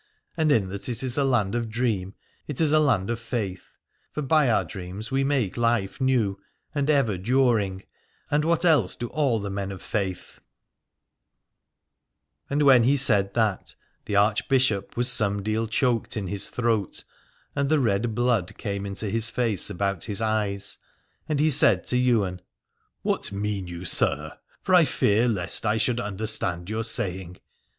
And in that it is a land of dream it is a land of faith : for by our dreams we make life new and ever during, and what else do all the men of faith ? u 305 Alad ore And when he said that the Archbishop was some deal choked in his throat, and the red blood came into his face about his eyes. And he said to Ywain : What mean you, sir, for I fear lest I should understand your saying.